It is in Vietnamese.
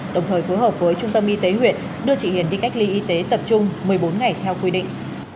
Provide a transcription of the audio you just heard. đồng thời phối hợp với trung tâm y tế huyện đưa chị hiền đi cách ly y tế tập trung một mươi bốn ngày theo quy định